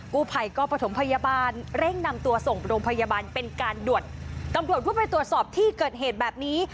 กู้ภัยก็ประถมพยาบาลเร่งนำตัวส่งโรงพยาบาลเป็นการด่วนตำรวจเพื่อไปตรวจสอบที่เกิดเหตุแบบนี้